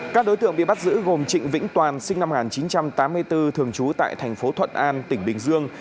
các đối tượng bị bắt giữ gồm trịnh vĩnh toàn sinh năm một nghìn chín trăm tám mươi bốn thường trú tại thành phố thuận an tỉnh bình dương